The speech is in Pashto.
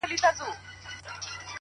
زما د وطن د شهامت او طوفانونو کیسې-